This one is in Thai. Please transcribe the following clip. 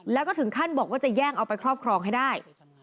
แล้วก็ถึงขั้นบอกว่าจะแย่งเอาไปครอบครองให้ได้